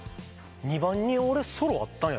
２番に俺ソロあったんや。